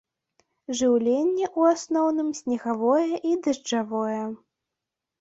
Жыўленне ў асноўным снегавое і дажджавое.